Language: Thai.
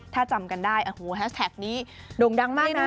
ถ้าจำกันได้โอ้โหแฮสแท็กนี้โด่งดังมากนะ